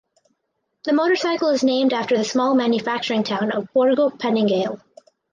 The motorcycle is named after the small manufacturing town of Borgo Panigale.